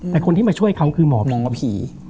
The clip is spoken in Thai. แต่คนที่มาช่วยเขาคือหมอผี